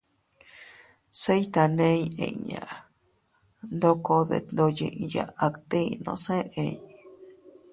Se iytaney inña ndoko detndoyiya adtinos eʼey: